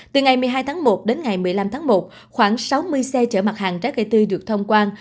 từ ngày một mươi hai tháng một đến ngày một mươi năm tháng một khoảng sáu mươi xe chở mặt hàng trái cây tươi được thông quan